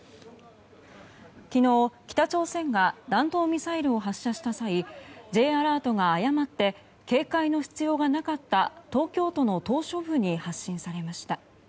昨日、北朝鮮が弾道ミサイルを発射した際Ｊアラートが誤って警戒の必要がなかった東京都の島しょ部に発信されました。